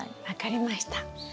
分かりました。